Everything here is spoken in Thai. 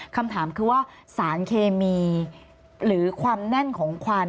คำถามคือว่าสารเคมีหรือความแน่นของควัน